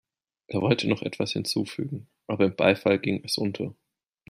Er wollte noch etwas hinzufügen, aber im Beifall ging es unter.